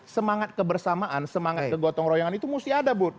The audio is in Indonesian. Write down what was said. semangat kebersamaan semangat kegotong royongan itu mesti ada bud